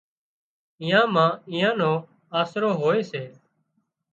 اين مان ايئان نو آسرو هوئي سي